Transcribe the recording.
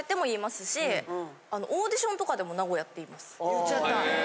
言っちゃった。